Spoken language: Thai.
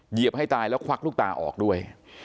เหยียบให้ตายแล้วควักลูกตาออกด้วย